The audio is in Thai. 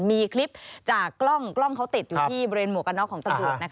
มีคลิปจากกล้องเขาติดอยู่ที่เบรนหมวกนอกของตำรวจนะคะ